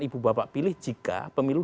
ibu bapak pilih jika pemilu